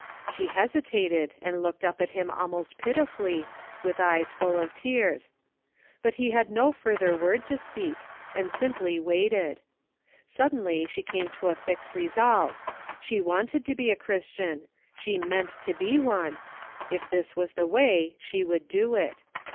She hesitated and looked up at him almost pitifully, with eyes full of tears. But he had no further word to speak, and sim ply waited. Suddenly she came to a fixed re^ GREAT QUESTIONS SETTLED. 295 solve. She wanted to be a Christian, she meant to be one ; if this was the way she would do it.